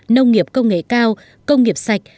nông nghiệp công nghệ cao công nghiệp sạch